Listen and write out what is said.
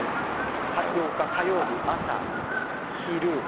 ８日火曜日、朝、昼。